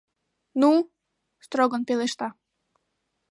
— Ну! — строгын пелешта.